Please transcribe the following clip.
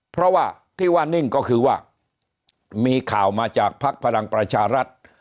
เพราะว่าที่ว่านิ่งก็คือว่ามีข่าวมาจากภักดิ์พลังประชารัฐ